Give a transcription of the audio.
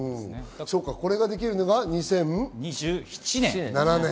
これができるのが２０２７年。